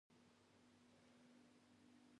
علي ډېری وخت چشمې اچوي اوس یې کلیوال چشماټو بولي.